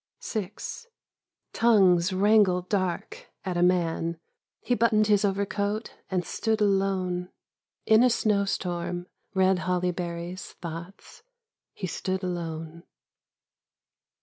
Tongues wrangled dark at a man. He buttoned his overcoat and stood alone. In a snowstorm, red hoUyberries, thoughts, he stood alone.